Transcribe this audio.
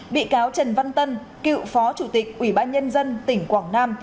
bị cáo trần văn tân cựu phó chủ tịch ủy ban nhân dân tỉnh quảng nam